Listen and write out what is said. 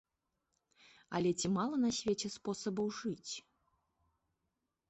Але ці мала на свеце спосабаў жыць?